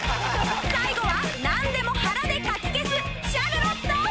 最後は何でも腹でかき消すシャルロット！